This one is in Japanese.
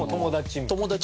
友達？